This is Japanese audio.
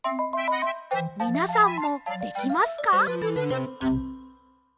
みなさんもできますか？